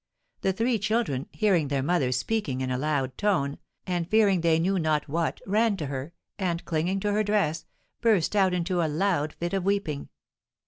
The three children, hearing their mother speaking in a loud tone, and fearing they knew not what, ran to her, and, clinging to her dress, burst out into a loud fit of weeping.